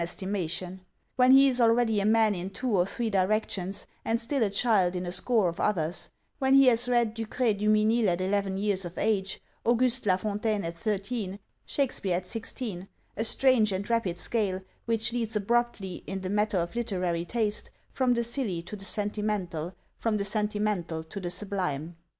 7 estimation, when he is already a man in two or three direc tions, and still a child in a score of others, when he has read Ducray Duminil at eleven years of age, Auguste la Fon taine at thirteen, Shakespeare at sixteen, — a strange and rapid scale, which leads abruptly, in the matter of literary taste, from the silly to the sentimental, from the sentimental to the sublime.